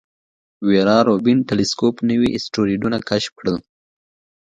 ویرا روبین ټیلسکوپ نوي اسټروېډونه کشف کړل.